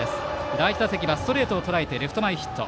第１打席はストレートをとらえてレフト前ヒット。